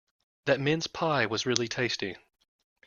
That mince pie was really tasty.